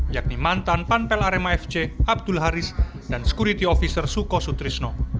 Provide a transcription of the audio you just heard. yakni mantan panpel arema fc abdul haris dan security officer suko sutrisno